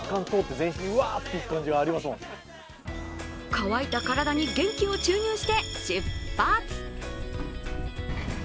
渇いた体に元気を注入して出発。